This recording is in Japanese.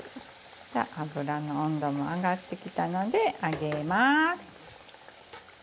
油の温度も上がってきたので上げます。